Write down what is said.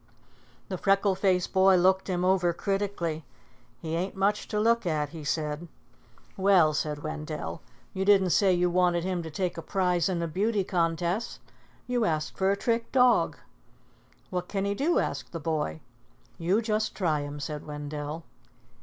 The freckle faced boy looked him over critically. "He ain't much to look at," he said. "Well," said Wendell, "you didn't say you wanted him to take a prize in a beauty contest. You asked for a trick dog." "What can he do?" asked the boy. "You just try him," said Wendell.